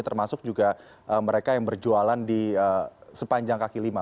termasuk juga mereka yang berjualan di sepanjang kaki lima